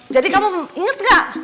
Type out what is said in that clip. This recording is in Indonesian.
jadi kamu inget gak